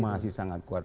masih sangat kuat